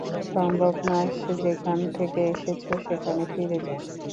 সম্ভব না, যেখান থেকে এসেছো সেখানে ফিরে যাও।